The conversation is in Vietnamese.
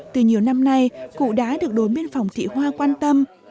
từ nhiều năm nay cụ đã được đối miên phòng thị hoa quan tâm